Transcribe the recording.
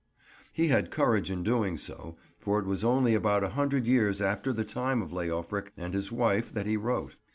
He had courage in doing so, for it was only about a hundred years after the time of Leofric and his wife that he wrote.